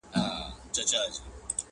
تشه له سرو میو شنه پیاله به وي؛